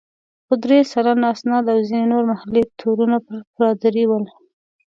خو درې سلنه اسناد او ځینې نور محلي تورونه پر پادري ول.